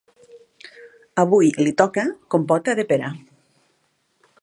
Avui li toca compota de pera.